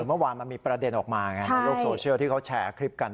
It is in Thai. เมื่อวานมันมีประเด็นออกมาไงในโลกโซเชียลที่เขาแชร์คลิปกัน